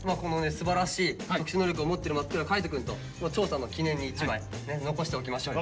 すばらしい特殊能力を持ってる松倉海斗くんと調査の記念に一枚残しておきましょうよ。